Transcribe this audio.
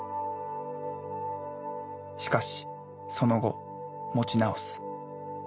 しかしその後持ち直す。